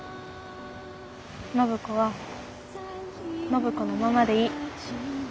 暢子は暢子のままでいい。